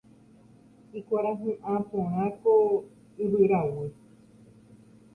Ikuarahy'ã porã ko yvyraguy.